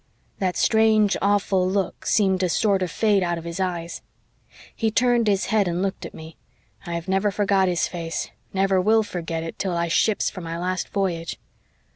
"That strange, awful look seemed to sorter fade out of his eyes. "He turned his head and looked at me. I've never forgot his face never will forget it till I ships for my last voyage.